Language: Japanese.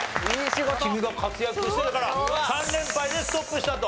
君が活躍してたから３連敗でストップしたと。